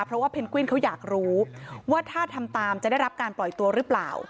เพราะว่าเพนกวินเขาอยากรู้ว่าถ้าทำตามจะได้รับการปล่อยตัวหรือเปล่า